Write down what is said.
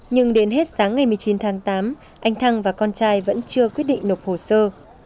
nhưng đến hết sáng ngày một mươi chín tháng tám anh thăng và con trai vẫn chưa quyết định nộp hồ sơ